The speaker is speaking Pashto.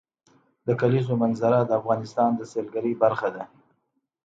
د کلیزو منظره د افغانستان د سیلګرۍ برخه ده.